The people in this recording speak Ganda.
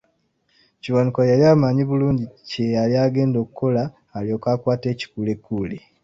Kiwanuka yali amanyi bulungi kye yali agenda okukola alyoke akwate ekikulekule.